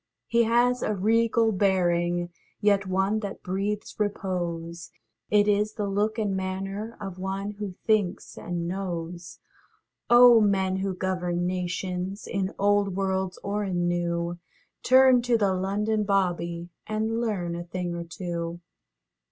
He has a regal bearing, Yet one that breathes repose; It is the look and manner Of one who thinks and knows. Oh, men who govern nations, In old worlds or in new, Turn to the London âBobbyâ And learn a thing or two.